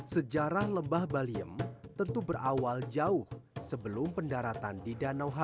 sejarah lembah baliem tentu berawal jauh dari kisah kisah yang terdiri di papua